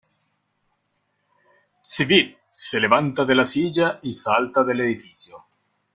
Xzibit se levanta de la silla y salta del edificio.